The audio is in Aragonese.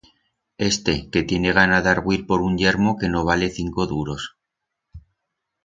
Éste, que tiene gana d'argüir por un yermo que no vale cinco duros...